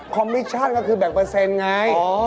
มิชชั่นก็คือแบ่งเปอร์เซ็นต์ไง